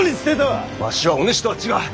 わしはお主とは違う。